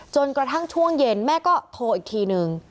จนกระทั่งช่วงเย็นแม่ก็โทรอีกทีนึง